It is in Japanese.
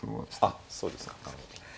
あっそうですか。